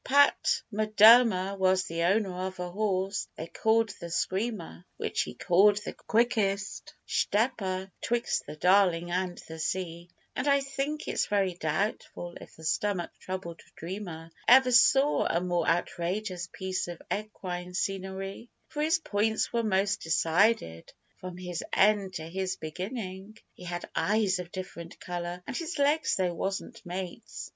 Pat M'Durmer was the owner of a horse they called the Screamer, Which he called the 'quickest shtepper 'twixt the Darling and the sea;' And I think it's very doubtful if the stomach troubled dreamer Ever saw a more outrageous piece of equine scenery; For his points were most decided, from his end to his beginning, He had eyes of different colour, and his legs they wasn't mates.